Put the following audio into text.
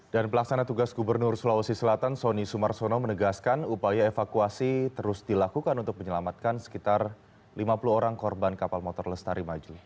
dan pelaksana tugas gubernur sulawesi selatan soni sumarsono menegaskan upaya evakuasi terus dilakukan untuk menyelamatkan sekitar lima puluh orang korban kapal motor lestari maju